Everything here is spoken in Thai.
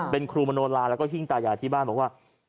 เป็นครูมโนลาแล้วก็หิ้งตายายที่บ้านบอกว่า